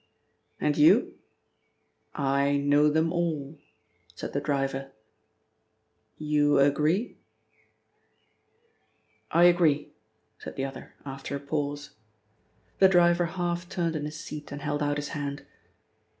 "And you?" "I know them all," said the driver. "You agree?" "I agree," said the other after a pause. The driver half turned in his seat and held out his hand.